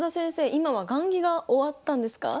今は雁木が終わったんですか？